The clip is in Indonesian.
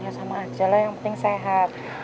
ya sama aja lah yang penting sehat